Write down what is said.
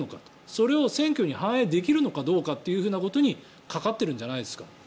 それを選挙に反映できるのかどうかということにかかってるんじゃないですか。